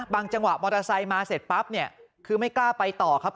จังหวะมอเตอร์ไซค์มาเสร็จปั๊บเนี่ยคือไม่กล้าไปต่อครับ